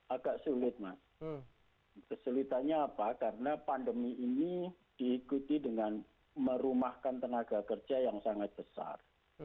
agak sulit mas kesulitannya apa karena pandemi ini diikuti dengan merumahkan tenaga kerja yang sangat besar